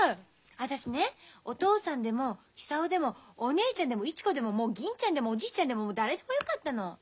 私ねお父さんでも久男でもお姉ちゃんでも市子でももう銀ちゃんでもおじいちゃんでも誰でもよかったの。